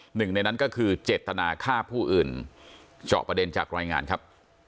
หนึ่งในนั้นก็คือเจตนาฆ่าผู้อื่นเจาะประเด็นจากรายงานครับ